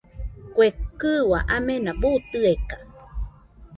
Kue kɨua amena buu tɨeka.